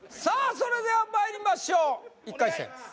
それではまいりましょう１回戦です